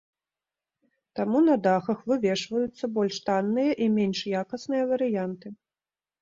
Таму на дахах вывешваюцца больш танныя і менш якасныя варыянты.